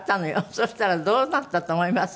そしたらどうなったと思います？